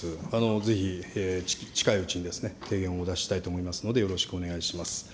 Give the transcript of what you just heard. ぜひ近いうちに提言をお出ししたいと思いますので、よろしくお願いします。